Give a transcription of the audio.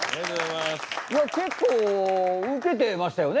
結構ウケてましたよね